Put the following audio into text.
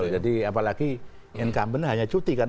betul jadi apalagi incumbent hanya cuti kan